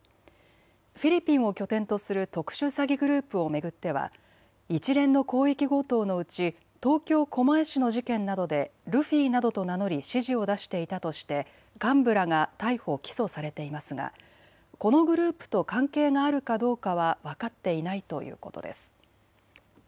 フィリピンを拠点とする特殊詐欺グループを巡っては一連の広域強盗のうち東京狛江市の事件などでルフィなどと名乗り指示を出していたとして幹部らが逮捕・起訴されていますがこのグループと関係があるかどうかは分かっていないということです。